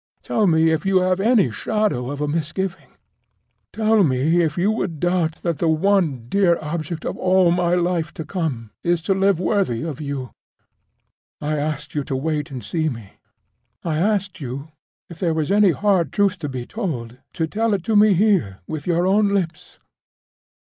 Tell me if you have any shadow of a misgiving! Tell me if you doubt that the one dear object of all my life to come is to live worthy of you! I asked you to wait and see me; I asked you, if there was any hard truth to be told, to tell it me here with your own lips.